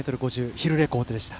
ヒルレコードでした。